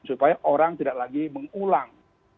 supaya orang tidak lagi mengulang